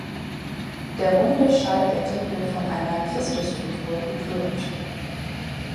Der runde Schalldeckel wird von einer Christusfigur bekrönt.